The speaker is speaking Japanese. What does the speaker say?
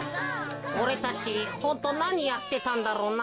おれたちホントなにやってたんだろうな。